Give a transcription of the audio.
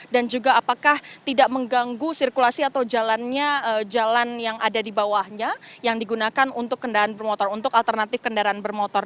dan juga apakah tidak mengganggu sirkulasi atau jalan yang ada di bawahnya yang digunakan untuk kendaraan bermotor untuk alternatif kendaraan bermotor